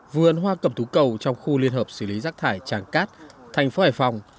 vườn hoa cầm thú cầu trong khu liên hợp xử lý rác thải tràng cát thành phố hải phòng